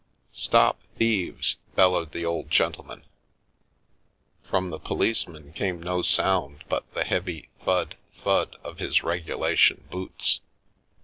" Stop thieves !" bellowed the old gentleman ; from the policeman came no sound but the heavy thud, thud of his regulation boots.